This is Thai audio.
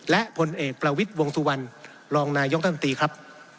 และผลเอกประวิทธิ์วงศ์สุวรรณรองนายยกต้านมันตรีครับ